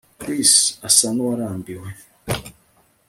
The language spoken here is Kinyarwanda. Chris asa nkuwarambiwe